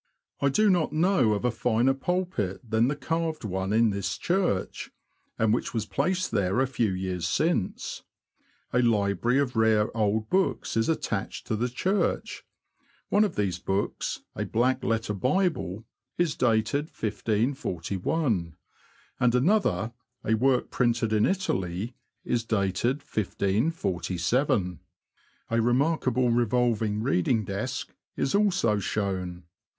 I do not know of a finer pulpit than the carved one in this church, and which was placed there a few years since. A library of rare old books is attached to the church ; one of these books, a black letter Bible, is dated 1541 ; and another, a work printed in Italy, is dated 1547. A remarkable revolving reading desk is also shown.